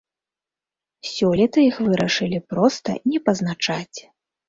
Сёлета іх вырашылі проста не пазначаць.